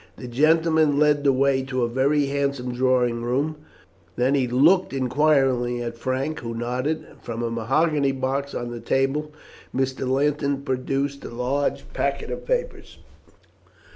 The gentleman led the way to a very handsome drawing room, then he looked inquiringly at Frank, who nodded. From a mahogany box on the table Mr. Linton produced a large packet of papers.